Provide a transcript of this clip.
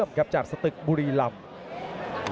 สวัสดิ์นุ่มสตึกชัยโลธสวัสดิ์